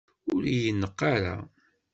Ur yi-neqq ara!